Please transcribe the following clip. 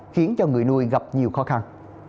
khiến cho người nuôi gặp nhiều khó khăn